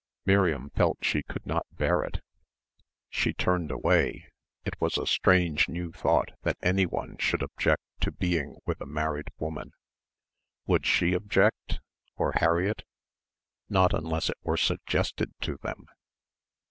Miriam felt she could not bear it. She turned away. It was a strange new thought that anyone should object to being with a married woman ... would she object? or Harriett? Not unless it were suggested to them....